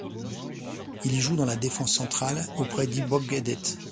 Il y joue dans la défense centrale auprès d'Ibok Edet.